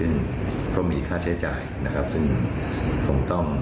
ซึ่งก็มีค่าใช้จ่ายนะครับซึ่งคงต้อง